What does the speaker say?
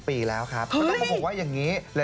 ๒๐ปีแล้วครับเขาต้องบอกว่าอย่างนี้